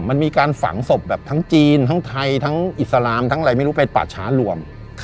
มันมีการฝังศพแบบทั้งจีนทั้งไทยทั้งอิสลามทั้งอะไรไม่รู้เป็นป่าช้ารวม